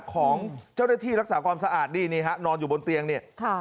ของเจ้าหน้าที่รักษาความสะอาดนี่นี่ฮะนอนอยู่บนเตียงเนี่ยค่ะ